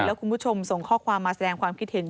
แล้วคุณผู้ชมส่งข้อความมาแสดงความคิดเห็น